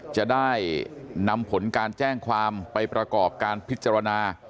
จะได้นำผลการแจ้งความไปประกอบการพิจารณา